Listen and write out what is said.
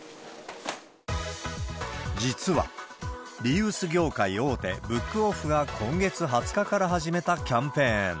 実は、リユース業界大手、ブックオフが今月２０日から始めたキャンペーン。